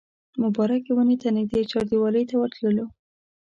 مبارکې ونې ته نږدې چاردیوالۍ ته ورتللو.